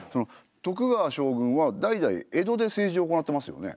徳川将軍は代々江戸で政治を行ってますよね？